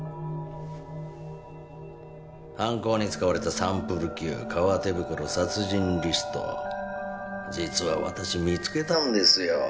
犯行に使われたサンプルＱ革手袋殺人リスト実は私見つけたんですよ